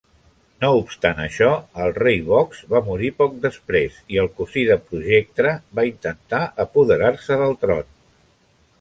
No obstant això, el rei Voxx va morir poc després i el cosí de Projectra va intentar apoderar-se del tron.